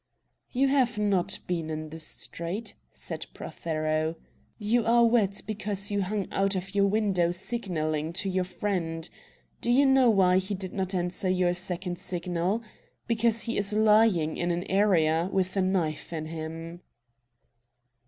"You have not been in the street," said Prothero. "You are wet because you hung out of your window signalling to your friend. Do you know why he did not answer your second signal? Because he is lying in an area, with a knife in him!"